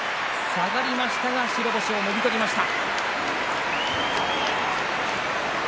下がりましたが白星をもぎ取りました。